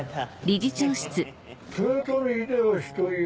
理事長様！